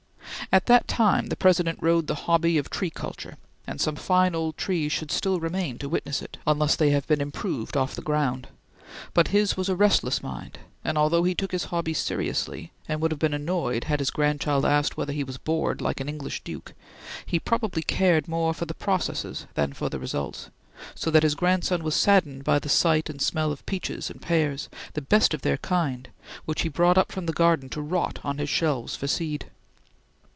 At that time the President rode the hobby of tree culture, and some fine old trees should still remain to witness it, unless they have been improved off the ground; but his was a restless mind, and although he took his hobbies seriously and would have been annoyed had his grandchild asked whether he was bored like an English duke, he probably cared more for the processes than for the results, so that his grandson was saddened by the sight and smell of peaches and pears, the best of their kind, which he brought up from the garden to rot on his shelves for seed.